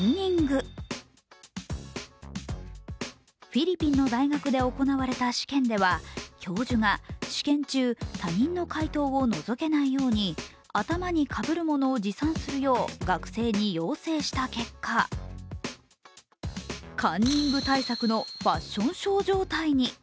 フィリピンの大学で行われた試験では教授が試験中、他人の解答をのぞけないように頭にかぶるものを持参するよう学生に要請した結果カンニング対策のファッションショー状態に。